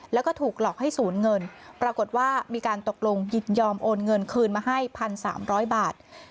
แล้วก็ถูกหลอกให้ศูนย์เงินปรากฏว่ามีการตกลงยินยอมโอนเงินคืนมาให้๑๓๐๐บาท